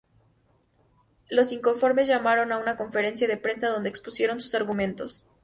Los inconformes llamaron a una conferencia de prensa donde expusieron sus argumentos.